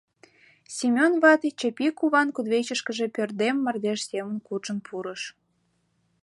Семён вате Чапи куван кудывечышкыже пӧрдем мардеж семын куржын пурыш.